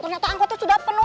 ternyata angkotnya sudah penuh